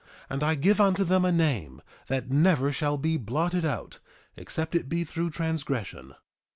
1:12 And I give unto them a name that never shall be blotted out, except it be through transgression.